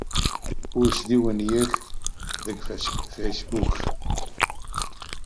Ur sdiwenniyet deg Facebook.